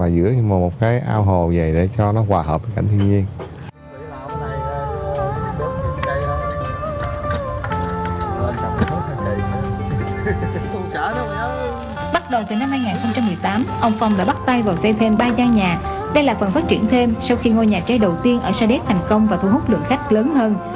đây là quần phát triển thêm sau khi ngôi nhà tre đầu tiên ở sa đếc thành công và thu hút lượng khách lớn hơn